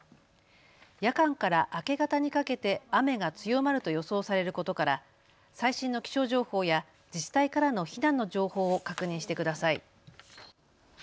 夜間から明け方にかけて雨が強まると予想されることから最新の気象情報や自治体からの避難の情報を確認してください。